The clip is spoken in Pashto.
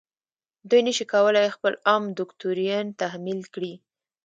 دوی نشي کولای خپل عام دوکتورین تحمیل کړي.